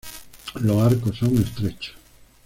Los arcos son estrechos.